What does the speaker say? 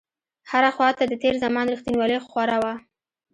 هره خواته د تېر زمان رښتينولۍ خوره وه.